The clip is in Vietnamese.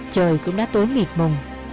trời cũng đã tối mịt mồng